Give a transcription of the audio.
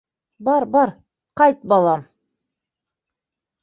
— Бар, бар, ҡайт, балам.